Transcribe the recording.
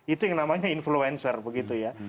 itu yang namanya influencer begitu ya